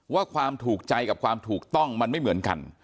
ว่าความถูกใจกับความถูกต้องมันไม่เหมือนกัน